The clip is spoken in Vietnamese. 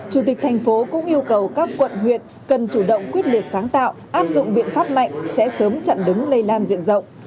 chủ tịch thành phố cũng yêu cầu các quận huyện cần chủ động quyết liệt sáng tạo áp dụng biện pháp mạnh sẽ sớm chặn đứng lây lan diện rộng